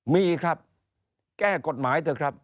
มีครับแก้กฎหมายเถอะครับ